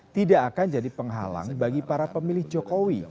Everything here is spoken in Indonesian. tidak akan jadi penghalang bagi para pemilih jokowi